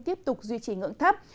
tiếp tục duy trì ngưỡng thấp